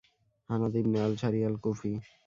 হানাদ ইবনে আল-সারি আল-কুফি